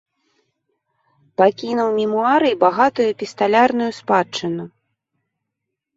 Пакінуў мемуары і багатую эпісталярную спадчыну.